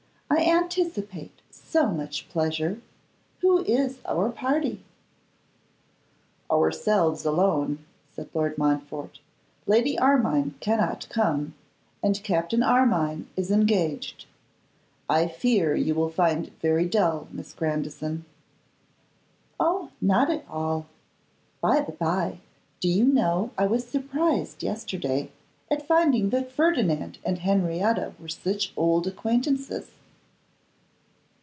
'I anticipate so much pleasure! Who is our party?' 'Ourselves alone,' said Lord Montfort. 'Lady Armine cannot come, and Captain Armine is engaged. I fear you will find it very dull, Miss Grandison.' 'Oh! not at all. By the bye, do you know I was surprised yesterday at finding that Ferdinand and Henrietta were such old acquaintances.